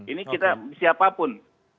ini kita siapapun